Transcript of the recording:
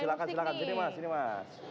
silahkan silahkan sini mas ini mas